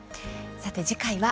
さて次回は